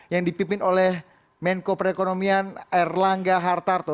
yang dipimpin oleh menko perekonomian erlangga hartarto